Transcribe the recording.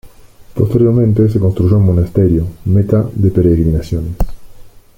Posteriormente, se construyó un monasterio, meta de peregrinaciones.